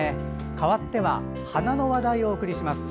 かわっては花の話題をお送りします。